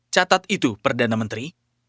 catat itu perdana menteri